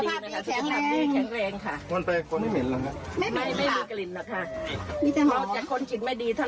ไม่มีเกลืออะไรหรอคะที่จะได้กลิ่นข้าโอเยอะ